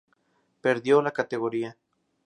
Perdió la categoría.